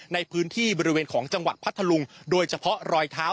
ในพื้นที่บริเวณของจังหวัดพัทธลุงโดยเฉพาะรอยเท้า